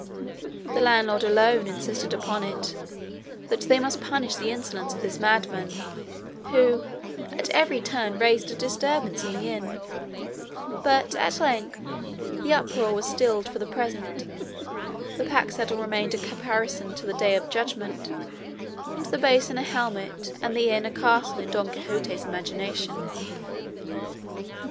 The landlord alone insisted upon it that they must punish the insolence of this madman, who at every turn raised a disturbance in the inn; but at length the uproar was stilled for the present; the pack saddle remained a caparison till the day of judgment, and the basin a helmet and the inn a castle in Don Quixote's imagination.